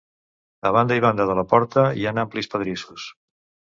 A banda i banda de la porta hi ha amplis pedrissos.